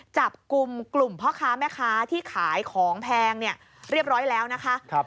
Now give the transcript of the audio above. จับกลุ่มพ่อค้าแม่ค้าที่ขายของแพงเรียบร้อยแล้วนะคะ